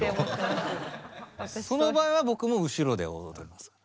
その場合は僕も後ろで踊ります。